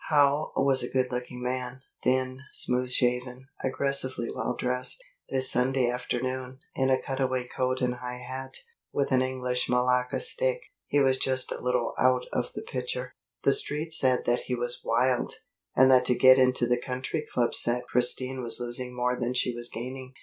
Howe was a good looking man, thin, smooth shaven, aggressively well dressed. This Sunday afternoon, in a cutaway coat and high hat, with an English malacca stick, he was just a little out of the picture. The Street said that he was "wild," and that to get into the Country Club set Christine was losing more than she was gaining.